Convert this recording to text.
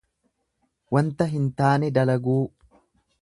Wanta hin taane dalaguu.